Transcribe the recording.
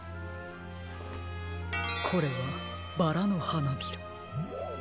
これはバラのはなびら。